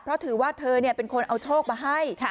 เพราะถือว่าเธอเป็นคนเอาโชคมาให้